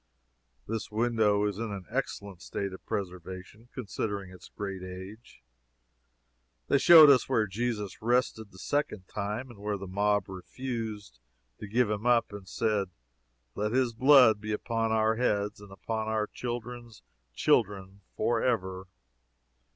This window is in an excellent state of preservation, considering its great age. They showed us where Jesus rested the second time, and where the mob refused to give him up, and said, "Let his blood be upon our heads, and upon our children's children forever."